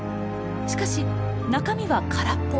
しかし中身は空っぽ。